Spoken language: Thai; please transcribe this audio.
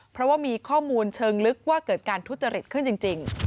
เพราะว่ามีข้อมูลเชิงลึกว่าเกิดการทุจริตขึ้นจริง